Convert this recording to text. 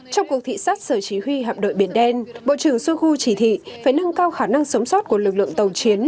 trong cuộc thị sát sở chỉ huy hạm đội biển đen bộ trưởng shoigu chỉ thị phải nâng cao khả năng sống sót của lực lượng tàu chiến